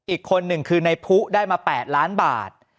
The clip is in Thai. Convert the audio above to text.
อีกคนหนึ่งคือในผู้ได้มา๘ล้านบาท